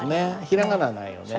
ひらがなはないよね。